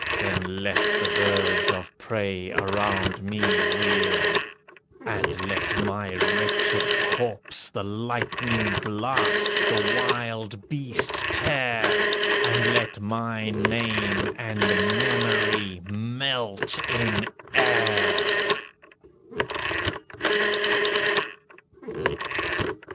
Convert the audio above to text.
Then let the birds of prey around me wheel: And let my wretched corpse The lightning blast, the wild beast tear; And let my name and memory melt in air!"